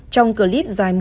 trong clip dài một